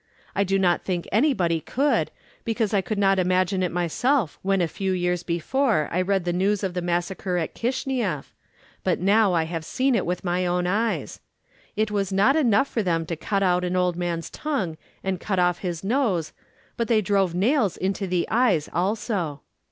I do not think anybody could, because I could not imagine it myself when a few years before I read the news of the massacre in Kishineff, but now I have seen it with my own eyes. It was not enough for them to cut out an old man's tongue and cut off his nose, but they drove nails into the eyes also.